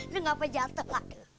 lu ngapa jatuh